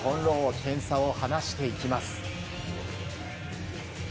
点差を離していきます。